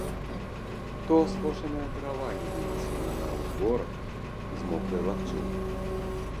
То скошаная трава не вынесена на ўзгорак з мокрай лагчыны.